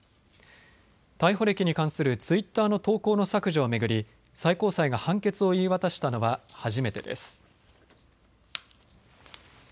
逮捕歴に関するツイッターの投稿の削除を巡り最高裁が判決を言い渡したのは初めてです。